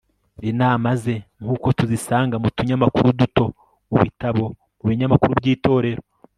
inama ze, nk'uko tuzisanga mu tunyamakuru duto, mu bitabo, mu binyamakuru by'itorero